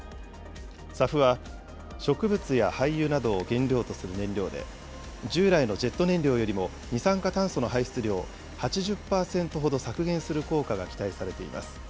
ＳＡＦは、植物や廃油などを原料とする燃料で、従来のジェット燃料よりも二酸化炭素の排出量を８０％ほど削減する効果が期待されています。